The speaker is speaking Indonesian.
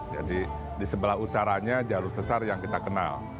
jadi di sebelah utaranya jalur sesar yang kita kenal